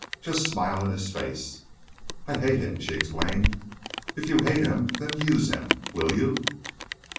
Just smile in his face." "I hate him!" she exclaimed. "If you hate him, then use him. Will you?"